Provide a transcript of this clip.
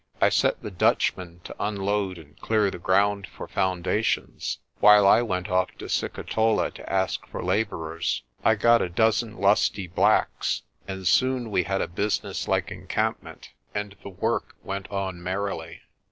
I set the Dutchmen to unload and clear the ground for foundations, while I went off to Sikitola to ask for labourers. I got a dozen lusty blacks, and soon we had a business like encampment, and the work went on merrily.